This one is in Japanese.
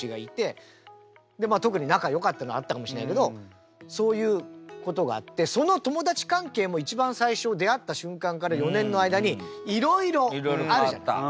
でまあ特に仲よかったのあったかもしれないけどそういうことがあってその友達関係も一番最初出会った瞬間から４年の間にいろいろあるじゃない。